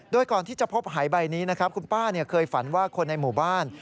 โดยก่อนที่จะพบหายใบนี้นะครับคุณป้าเคยฝันว่าคนในหมู่บ้าน